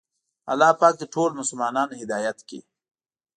الله پاک دې ټول مسلمانان هدایت کړي.